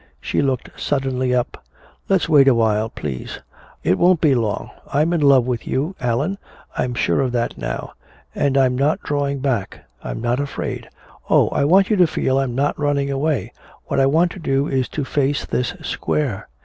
She looked suddenly up: "Let's wait awhile, please! It won't be long I'm in love with you, Allan, I'm sure of that now! And I'm not drawing back, I'm not afraid! Oh, I want you to feel I'm not running away! What I want to do is to face this square!